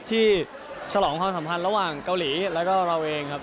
ฉลองความสัมพันธ์ระหว่างเกาหลีแล้วก็เราเองครับ